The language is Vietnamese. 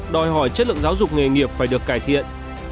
đòi hỏi chất lượng giáo dục nghề nghiệp phải được cải thiện